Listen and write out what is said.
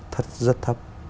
thất rất thấp